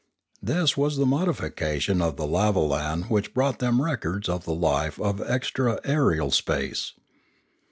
This was the modification of the lavolan which brought them records of the life of extra aerial space.